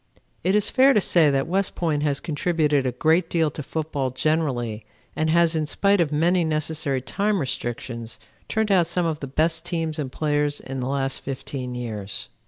It is fair to say that West Point has contributed a great deal to football generally and has, in spite of many necessary time restrictions, turned out some of the best teams and players in the last fifteen years.